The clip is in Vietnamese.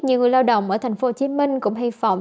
nhiều người lao động ở tp hcm cũng hy vọng